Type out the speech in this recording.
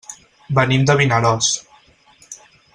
Venim de Vinaròs.